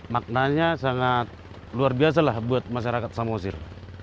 maknanya sangat luar biasa lah buat masyarakat samosir